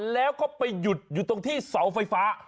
แล้วก็ไปหยุดอยู่ตรงที่เสาไฟฟ้า